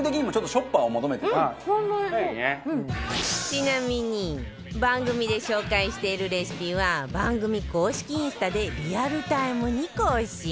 ちなみに番組で紹介しているレシピは番組公式インスタでリアルタイムに更新